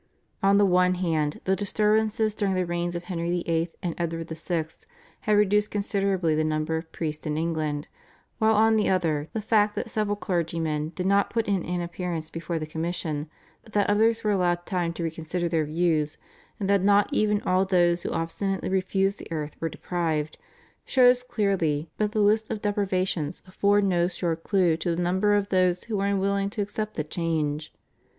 On the one hand, the disturbances during the reigns of Henry VIII. and Edward VI. had reduced considerably the number of priests in England, while on the other, the fact that several clergymen did not put in an appearance before the commission, that others were allowed time to reconsider their views, and that not even all those who obstinately refused the oath were deprived, shows clearly that the lists of deprivations afford no sure clue to the number of those who were unwilling to accept the change.